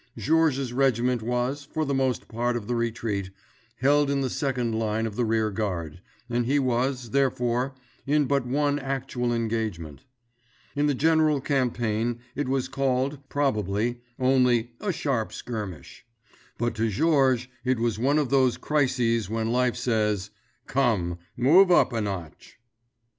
Georges's regiment was, for the most part of the retreat, held in the second line of the rear guard, and he was, therefore, in but one actual engagement. In the general campaign it was called, probably, only "a sharp skirmish." But, to Georges, it was one of those crises when life says: "Come! Move up a notch!"